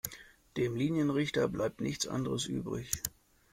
Dem Linienrichter bleibt nichts anderes übrig.